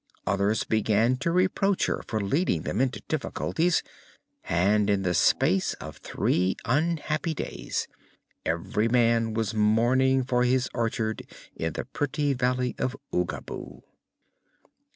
Others began to reproach her for leading them into difficulties and in the space of three unhappy days every man was mourning for his orchard in the pretty valley of Oogaboo.